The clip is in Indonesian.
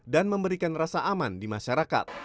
dan memberikan rasa aman di masyarakat